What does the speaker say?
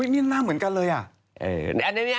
นี่หน้าเหมือนกันเลยอ่ะ